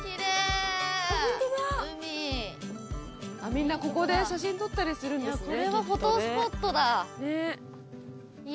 みんなここで写真撮ったりするんですね。